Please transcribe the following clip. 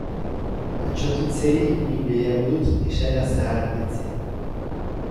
Atsotitzei nik nahiago dut esaera zahar deitzea.